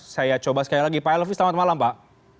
saya coba sekali lagi pak elvi selamat malam pak